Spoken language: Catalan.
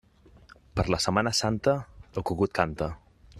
Per la Setmana Santa, el cucut canta.